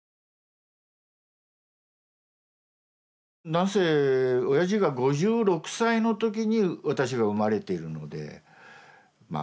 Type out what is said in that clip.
なんせおやじが５６歳の時に私が生まれているのでまあ